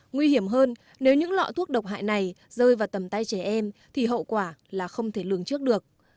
nguy hiểm hơn nếu những lọ thuốc độc hại này rơi vào tầm tay trẻ em thì hậu quả là không thể lường trước được